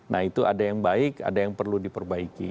nah itu ada yang baik ada yang perlu diperbaiki